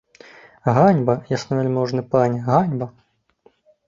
Ганьба, яснавяльможны пане, ганьба!